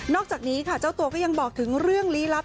อกจากนี้ค่ะเจ้าตัวก็ยังบอกถึงเรื่องลี้ลับ